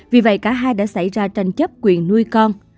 vì vậy cả hai đã xảy ra tranh chấp quyền nuôi con